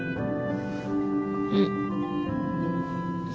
うん。